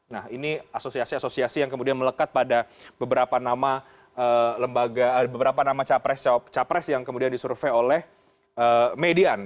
nah ini asosiasi asosiasi yang kemudian melekat pada beberapa nama beberapa nama capres yang kemudian disurvey oleh median